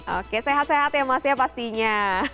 oke sehat sehat ya mas ya pastinya